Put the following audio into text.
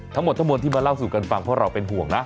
ทั้งหมดทั้งหมดที่มาเล่าสู่กันฟังเพราะเราเป็นห่วงนะ